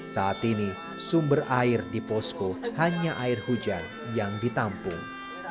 saat ini sumber air di posko hanya air hujan yang ditampung